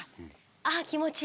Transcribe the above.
ああ気持ちいい。